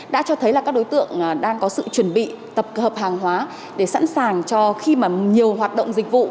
đã cho thấy là các đối tượng đang có sự chuẩn bị tập hợp hàng hóa để sẵn sàng cho khi mà nhiều hoạt động dịch vụ